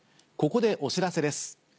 ここでお知らせです。